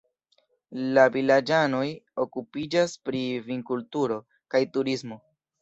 La vilaĝanoj okupiĝas pri vinkulturo kaj turismo.